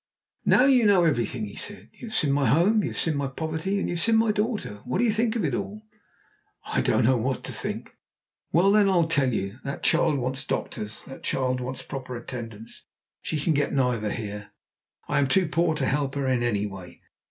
"Now you know everything," he said. "You have seen my home, you have seen my poverty, and you have seen my daughter. What do you think of it all?" "I don't know what to think." "Well, then, I'll tell you. That child wants doctors; that child wants proper attendance. She can get neither here. I am too poor to help her in any way.